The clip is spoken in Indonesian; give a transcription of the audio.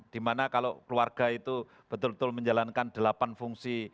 dimana kalau keluarga itu betul betul menjalankan delapan fungsi